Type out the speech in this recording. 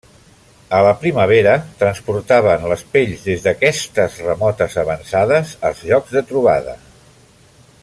A la primavera transportaven les pells des d'aquestes remotes avançades als llocs de trobada.